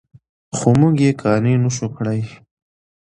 خو موږ یې قانع نه شوو کړی.